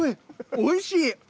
おいしい。